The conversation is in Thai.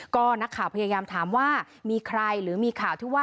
ก็นักข่าวพยายามถามว่ามีใครหรือมีข่าวที่ว่า